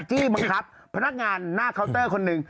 จี้บังคับพนักงานหน้าเคาน์เตอร์คนหนึ่ง